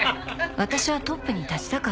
私はトップに立ちたかった。